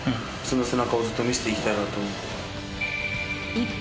［一方］